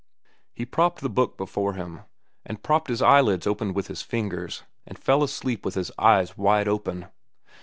He propped the book before him, and propped his eyelids with his fingers, and fell asleep with his eyes wide open.